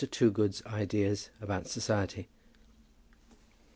TOOGOOD'S IDEAS ABOUT SOCIETY.